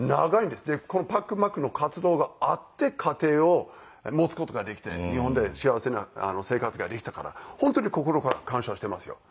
でこのパックンマックンの活動があって家庭を持つ事ができて日本で幸せな生活ができたから本当に心から感謝していますよ。